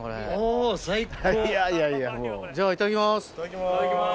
じゃあいただきます。